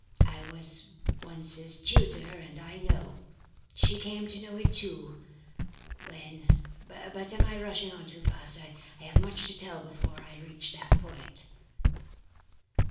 I was once his tutor and I know. She came to know it too, when but I am rushing on too fast, I have much to tell before I reach that point.